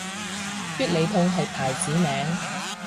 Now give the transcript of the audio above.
必理痛係牌子名